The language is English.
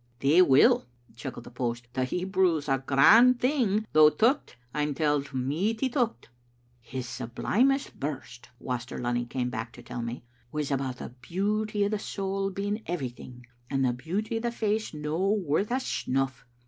"They will," chuckled the post. "The Hebrew's a grand thing, though teuch, I'm telled, michty teuch." "His sublimest burst," Waster Lunny came back to tell me, " was about the beauty o' the soul being every thing and the beauty o' the face no worth a snuff.